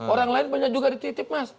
orang lain banyak juga dititip mas